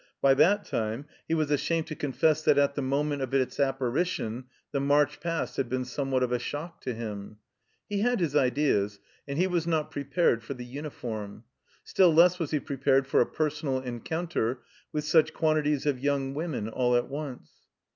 By that time he was ashamed to confess that at the moment of its apparition the March Past had been somewhat of a shock to him. He had his ideas, and he was not prepared for the tmiform; still less was he prepared for a personal encounter with such quan tities of yotmg women all at once.